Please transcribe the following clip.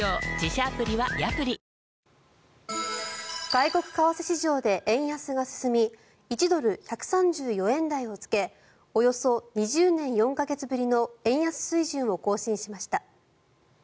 外国為替市場で円安が進み１ドル＝１３４円台をつけおよそ２０年４か月ぶりの円安水準を更新しました。